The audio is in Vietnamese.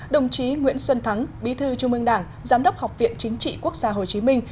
đồng chí nguyễn xuân thắng bí thư trung ương đảng giám đốc học viện chính trị quốc gia hồ chí minh